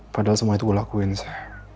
padahal semua itu gue lakuin saya